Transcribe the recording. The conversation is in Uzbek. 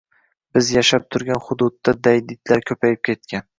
Biz yashab turgan huddudda daydi itlar ko’payib ketgan